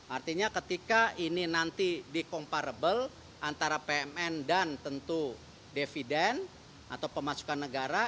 artinya ketika ini nanti di comparable antara pmn dan tentu dividen atau pemasukan negara